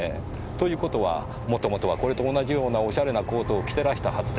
という事は元々はこれと同じようなおしゃれなコートを着てらしたはずです。